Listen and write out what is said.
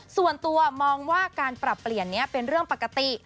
ส่วนตัวมองว่าการปรับเปลี่ยนนี้เป็นเรื่องปกติ